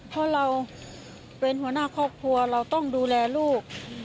เพราะเราเป็นหัวหน้าครอบครัวเราต้องดูแลลูก